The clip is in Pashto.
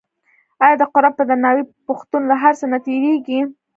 آیا د قران په درناوي پښتون له هر څه نه تیریږي؟